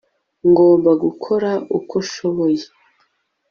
ngomba gukora uko nshoboye